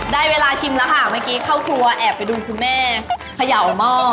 ได้เวลาชิมแล้วค่ะเมื่อกี้เข้าครัวแอบไปดูคุณแม่เขย่าหม้อ